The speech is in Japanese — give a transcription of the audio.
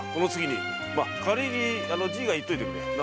まあ仮にじいが行っといてくれ。